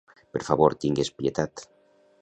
Per favor, tingues pietat.